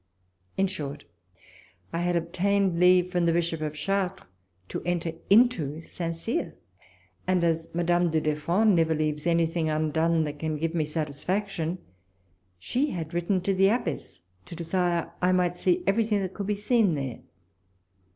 In short, I had ob tained leave from the Bishop of Chartres to enter into St. Cyr ; and, as Madame du Deffand never leaves anything undone that can give me satisfaction, she had written to the abbess to desire I might see everything that could be seen there.